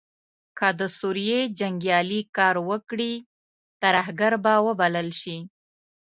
که د سوریې جنګیالې کار وکړي ترهګر به وبلل شي.